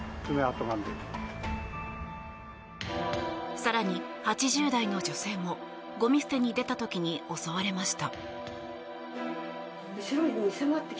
更に８０代の女性もごみ捨てに出た時に襲われました。